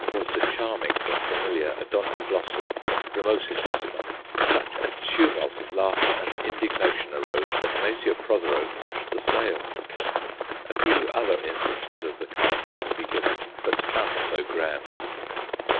was the charming but familiar Odontoglossum ramossissimum, such a tumult of laughter and indignation arose, that Messrs. Protheroe quashed the sale. A few other instances of the kind might be given but none so grand.